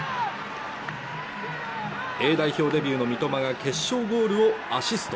Ａ代表デビューの三笘が決勝ゴールをアシスト。